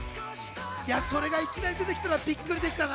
それがいきなり出て来たらびっくりできたな。